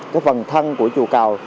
cái phần thân của chùa cầu